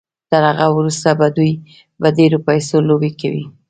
تر هغه وروسته به دوی په ډېرو پيسو لوبې کوي.